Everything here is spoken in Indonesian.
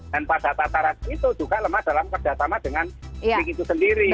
dan pada tataran itu juga lemah dalam kerja sama dengan publik itu sendiri